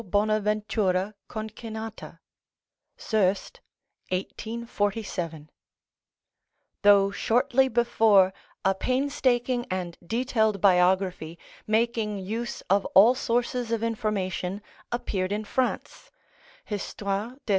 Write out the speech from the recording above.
Bonaventura concinnata" (Soest, 1847), though shortly before a painstaking and detailed biography, making use of all sources of information, appeared in France, "Histoire de S.